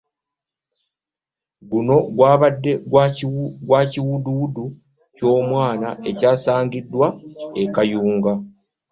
Guno gwabadde gwa kiwuduwudu ky'omwana ekyasangibwa e Kayunga.